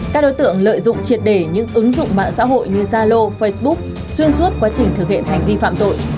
các đối tượng lợi dụng triệt đề những ứng dụng mạng xã hội như zalo facebook xuyên suốt quá trình thực hiện hành vi phạm tội